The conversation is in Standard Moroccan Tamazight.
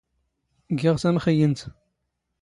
ⴳⵉⵖ ⵜⴰⵎⵅⵢⵢⵏⵜ.